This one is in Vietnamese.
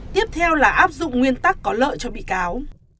tiếp theo là áp dụng nguyên tắc có lợi cho bị cáo